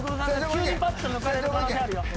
急にぱっと抜かれる可能性あるよ。